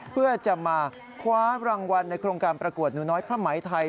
เพื่อจะมาคว้ารางวัลในโครงการประกวดหนูน้อยผ้าไหมไทย